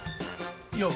よう。